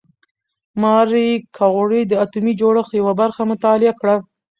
ماري کوري د اتومي جوړښت یوه برخه مطالعه کړه.